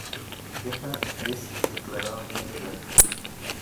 Deja es declaradamente gay.